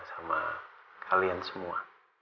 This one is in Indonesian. sama kalian semua